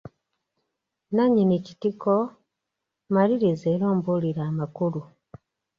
Nannyini kitiko, Maliriza era ombuulire amakulu.